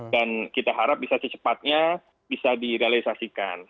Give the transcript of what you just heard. dan kita harap bisa secepatnya bisa direalisasikan